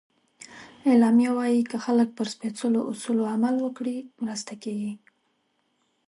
اعلامیه وایي که خلک پر سپیڅلو اصولو عمل وکړي، مرسته کېږي.